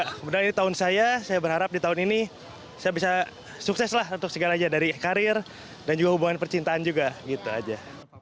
kemudian ini tahun saya saya berharap di tahun ini saya bisa sukses lah untuk segalanya dari karir dan juga hubungan percintaan juga gitu aja